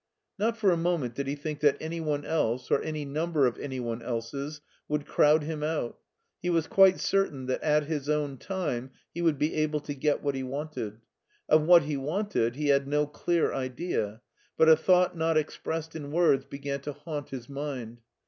Not for a moment did he think that any one else, or any number of any one elses, would crowd him out; he was quite certain that at his own time he would be able to get what he wanted Of what he wanted he had no clear idea, but a thought not ex pressed in words began to haunt his mind.